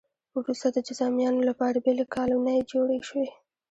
وروسته د جذامیانو لپاره بېلې کالونۍ جوړې شوې.